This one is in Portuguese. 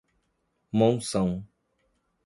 Monção